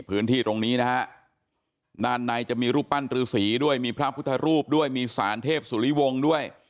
พื้นที่ตรงนี้นะฮะด้านในจะมีรูปปั้นรือสีด้วยมีพระพุทธรูปด้วยมีสารเทพสุริวงศ์ด้วย